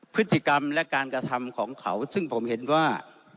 พฤติกรรมและการกระทำของเขาซึ่งผมเห็นว่า